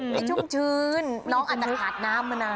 ให้ชุ่มชื้นน้องอาจจะขาดน้ำมานาน